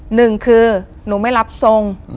หนึ่งคือหนูไม่รับทรง